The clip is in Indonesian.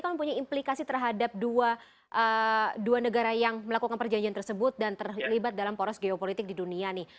kan punya implikasi terhadap dua negara yang melakukan perjanjian tersebut dan terlibat dalam poros geopolitik di dunia nih